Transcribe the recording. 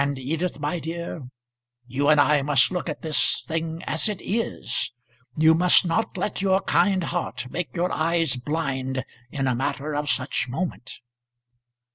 Edith, my dear, you and I must look at this thing as it is. You must not let your kind heart make your eyes blind in a matter of such moment."